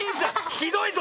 ひどいぞ。